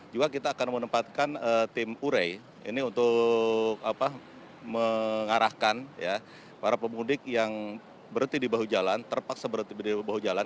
juga kita akan menempatkan tim urei ini untuk mengarahkan para pemudik yang berhenti di bahu jalan terpaksa berhenti di bahu jalan